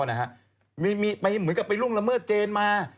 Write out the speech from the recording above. เหมือนกับไปล่วงละเมิดเจนมา